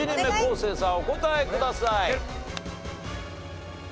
生さんお答えください。